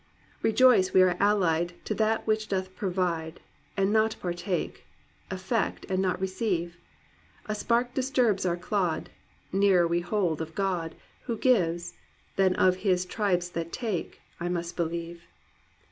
"Rejoice we are allied To that which doth provide And not partake, effect and not receive ! A spark disturbs our clod; Nearer we hold of God Who gives, than of his tribes that take, I must believe.